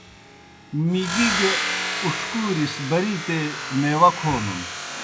مِگی گہ اُݜکُورِس بَرِیتے میواہ کھونَن۔